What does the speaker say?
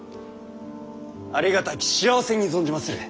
ありがたき幸せに存じまする！